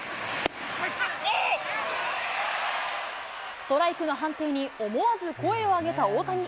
ストライクの判定に、思わず声を上げた大谷。